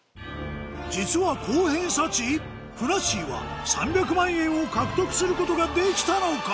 実は高偏差値⁉ふなっしーは３００万円を獲得することができたのか？